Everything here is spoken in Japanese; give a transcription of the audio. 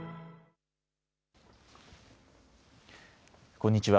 こんにちは。